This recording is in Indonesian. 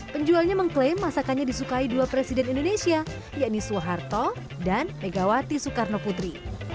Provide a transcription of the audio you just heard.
penjualnya mengklaim masakannya disukai dua presiden indonesia yakni soeharto dan megawati soekarnoputri